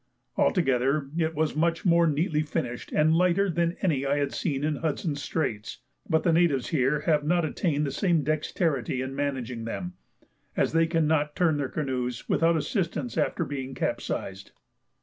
Altogether it was much more neatly finished and lighter than any I had seen in Hudson's Straits; but the natives here have not attained the same dexterity in managing them, as they cannot turn their canoes without assistance after being capsized.